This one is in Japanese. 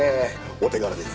お手柄です。